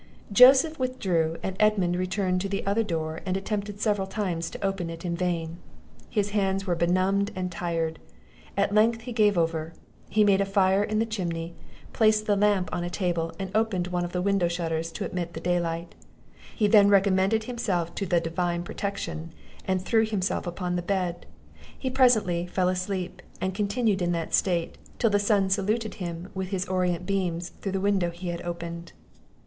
Joseph withdrew, and Edmund returned to the other door, and attempted several times to open it in vain; his hands were benumbed and tired; at length he gave over. He made a fire in the chimney, placed the lamp on a table, and opened one of the window shutters to admit the day light; he then recommended himself to the Divine protection, and threw himself upon the bed; he presently fell asleep, and continued in that state, till the sun saluted him with his orient beams through the window he had opened.